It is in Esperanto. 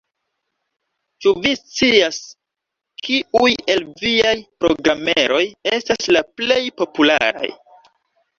Ĉu vi scias, kiuj el viaj programeroj estas la plej popularaj?